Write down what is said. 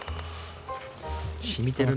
しみてるね。